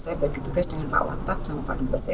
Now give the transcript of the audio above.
saya bagi tugas dengan pak watap sama pak rempes ya